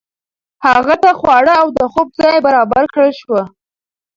هغه ته خواړه او د خوب ځای برابر کړل شو.